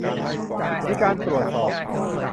มีการตรวจสอบ